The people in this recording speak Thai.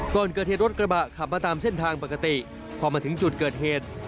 ก่อนเกิดเหตุรถกระบะขับมาตามเส้นทางปกติพอมาถึงจุดเกิดเหตุ